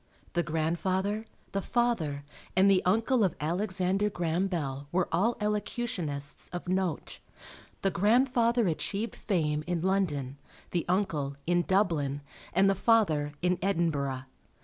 The grandfather, the father, and the uncle of Alexander Graham Bell were all elocutionists of note. The grandfather achieved fame in London; the uncle, in Dublin; and the father, in Edinburgh.